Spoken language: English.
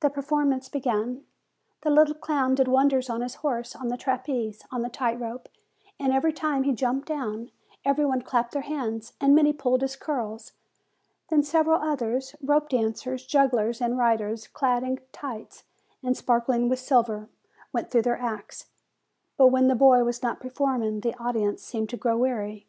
The performance began. The little clown did wonders on his horse, on the trapeze, on the tight rope; and every time that he jumped down, every one clapped their hands, and many pulled his curls. Then several others, rope dancers, jugglers, and riders, clad in tights, and sparkling with silver, went through their acts; but when the boy was not performing, the audience seemed to grow weary.